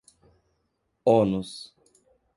ônus